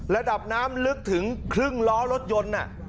ระดับน้ำลึกถึงครึ่งล้อรถยนต์